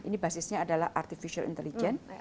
ini basisnya adalah artificial intelligence